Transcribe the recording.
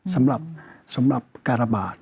สำหรับการระบาด